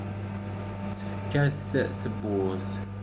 Tefka-t tebburt.